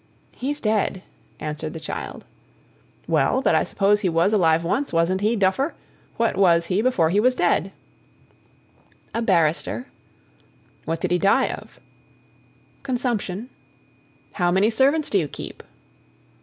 "He's dead," answered the child. "Well, but I suppose he was alive once wasn't he, duffer? What was he before he was dead?" "A barrister." "What did he die of?" "Consumption." "How many servants do you keep?"